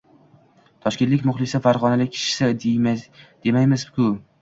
Toshkentlik muxlisi, fargʻonalik kishisi demaymiz-ku